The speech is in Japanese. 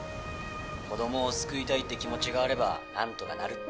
子供を救いたいって気持ちがあれば何とかなるって。